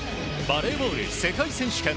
バレーボール世界選手権。